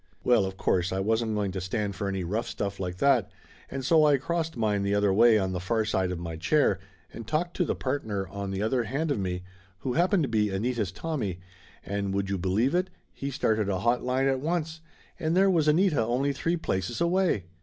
Well, of course, I wasn't going to stand for any rough stuff like that and so I crossed mine the other way on the far side of my chair and talked to the partner on the other hand of me, who happened to be Anita's Tommy, and would you believe it, he started 114 Laughter Limited a hot line at once, and there was Anita only three places away!